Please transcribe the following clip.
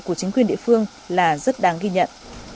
của chính quyền địa phương là rất đáng ghi nhận